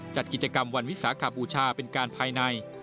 จัดกิจกรรมวันวิสาขบูชาเป็นการภายใน